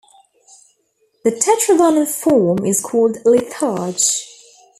The tetragonal form is called litharge.